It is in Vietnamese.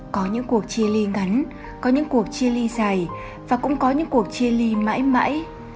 có những cuộc chia ly ngắn có những cuộc chia ly dày và cũng có những cuộc chia ly mãi mãi